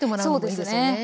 そうですね。